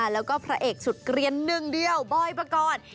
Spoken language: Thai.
แล้วก็พระเอกสุดเกลียนหนึ่งเดียวบอยปกรณ์